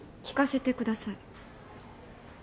聴かせてください。